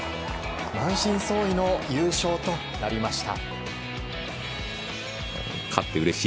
満身創痍の優勝となりました。